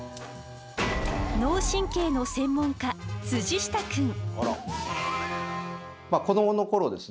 脳神経の専門家下くん。